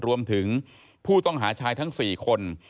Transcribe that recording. รวมถึงผู้ต้องหาชายทั้ง๔คน